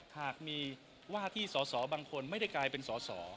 หากมีว่าที่สอสอบางคนไม่ได้กลายเป็นสอสอ